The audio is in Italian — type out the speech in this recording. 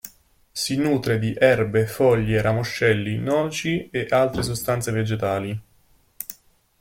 Si nutre di erbe, foglie, ramoscelli, noci e altre sostanze vegetali.